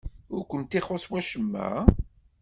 Ur kent-ixuṣṣ wacemma?